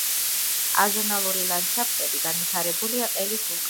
აზონალური ლანდშაფტები განვითარებულია ყელის ვულკანურ ზეგანზე.